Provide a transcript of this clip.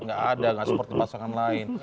tidak ada tidak seperti pasangan lain